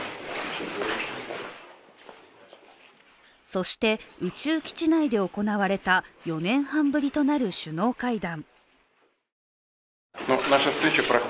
そして、宇宙基地内で行われた４年半ぶりとなる首脳会談。